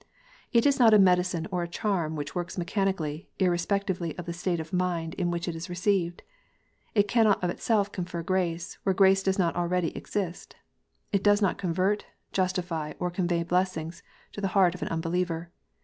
It is not a medicine or a charm which works mechanically, irrespectively of the state of mind in which it is received. It cannot of itself confer grace, where grace does not already exist. It does not convert, justify, or convey blessings to the heart of an unbeliever.